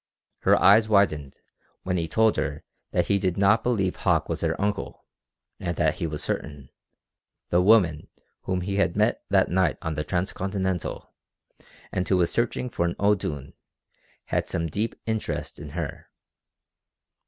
Her eyes widened when he told her that he did not believe Hauck was her uncle, and that he was certain the woman whom he had met that night on the Transcontinental, and who was searching for an O'Doone, had some deep interest in her.